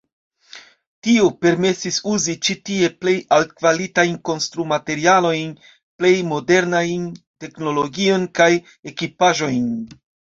Tio permesis uzi ĉi tie plej altkvalitajn konstrumaterialojn, plej modernajn teknologion kaj ekipaĵojn.